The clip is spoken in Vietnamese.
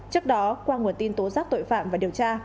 trước đó qua nguồn tin tố giác tội phạm và điều tra